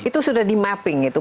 itu sudah di mapping gitu